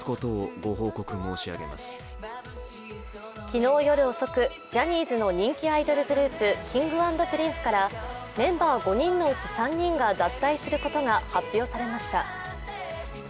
昨日夜遅く、ジャニーズの人気アイドルグループ、Ｋｉｎｇ＆Ｐｒｉｎｃｅからメンバー５人のうち３人が脱退することが発表されました。